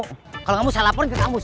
kalau nggak mau saya laporin ke kang mus